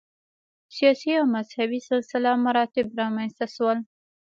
سیاسي او مذهبي سلسله مراتب رامنځته شول.